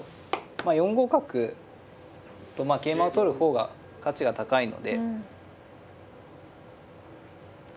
４五角と桂馬を取る方が価値が高いので。